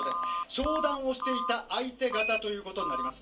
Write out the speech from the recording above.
商談をしていた相手方ということになります。